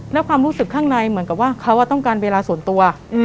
แล้วความรู้สึกข้างในเหมือนกับว่าเขาต้องการเวลาส่วนตัว